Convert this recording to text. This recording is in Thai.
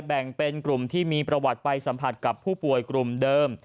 แบ่งเป็นกลุ่มที่มีประวัติไปสัมผัสกับผู้ป่วยกลุ่มเดิม